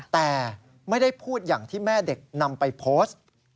แต่ไม่ได้พูดอย่างที่แม่เด็กนำไปโพสต์